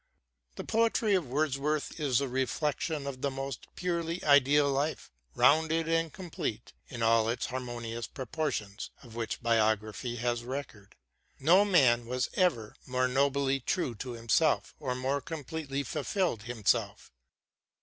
The poetry of Wordsworth is the reflection of the most purely ideal life, rounded and complete in all its harmonious proportions, of which biography has record. No man was ever more nobly true to himself or more completely fulfilled himself.